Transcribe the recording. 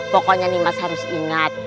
pokoknya nimas harus ingat